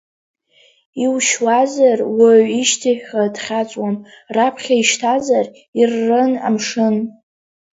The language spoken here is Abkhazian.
Иушьуазар уаҩ ишьҭахьҟа дхьаҵуам раԥхьа ишьҭазар иррын амшын.